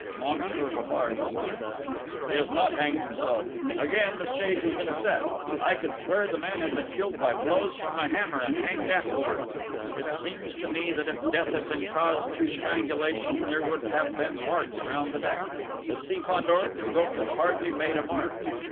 Monsieur Havard remarked: "He has not hanged himself. Again the stage has been set!... I could swear the man had been killed by blows from a hammer and hanged afterwards!... It seems to me, that if death had been caused through strangulation, there would have been marks round the neck.... But see, Fandor, the rope has hardly made a mark."